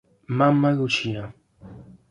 Mamma Lucia